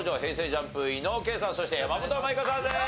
ＪＵＭＰ伊野尾慧さんそして山本舞香さんです。